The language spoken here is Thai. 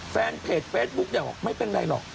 แฟนเพจเฟซบุ๊กเนี่ยบอกไม่เป็นไรหรอก